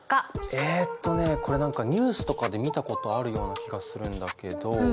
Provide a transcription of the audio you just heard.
えっとねこれ何かニュースとかで見たことあるような気がするんだけど。